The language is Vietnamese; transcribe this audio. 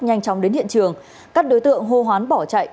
nhanh chóng đến hiện trường các đối tượng hô hoán bỏ chạy